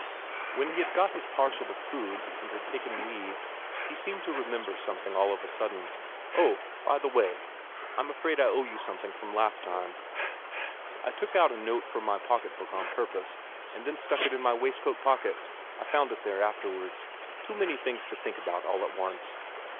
When he had got his parcel of food and had taken leave, he seemed to remember something all of a sudden: "Oh, by the way, I'm afraid I owe you something from last time I took out a note from my pocket book on purpose, and then stuck it in my waistcoat pocket I found it there afterwards. Too many things to think about all at once...."